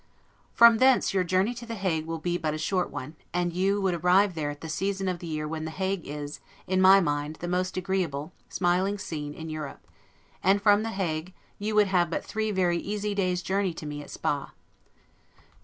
From thence, your journey to The Hague will be but a short one; and you would arrive there at that season of the year when The Hague is, in my mind, the most agreeable, smiling scene in Europe; and from The Hague you would have but three very easy days journey to me at Spa.